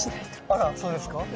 あらそうですか？